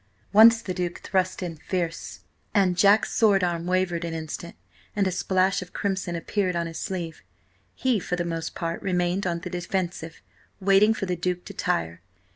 Once the Duke thrust in tierce and Jack's sword arm wavered an instant, and a splash of crimson appeared on his sleeve. He, for the most part, remained on the defensive, waiting for the Duke to tire.